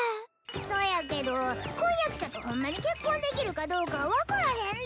そやけど婚約者とホンマに結婚できるかどうかは分からへんで。